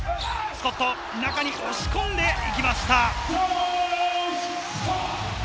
スコットが中に押し込んでいきました。